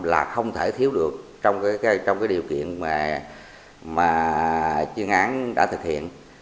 là không thể thiếu được trong cái điều kiện mà chuyên án đã thực hiện